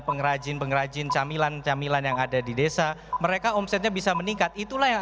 pengrajin pengrajin camilan camilan yang ada di desa mereka omsetnya bisa meningkat itulah yang